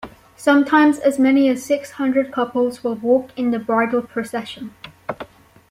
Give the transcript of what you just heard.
Sometimes as many as six hundred couples will walk in the bridal procession.